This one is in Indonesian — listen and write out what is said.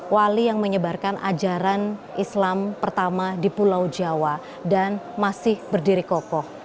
wali yang menyebarkan ajaran islam pertama di pulau jawa dan masih berdiri kokoh